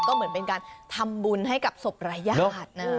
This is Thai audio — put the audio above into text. ก็เหมือนเป็นการทำบุญให้กับศพรายญาตินะ